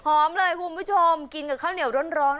เลยคุณผู้ชมกินกับข้าวเหนียวร้อน